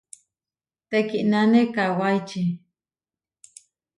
Teʼkínane kawáiči.